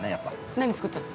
◆何作ったの？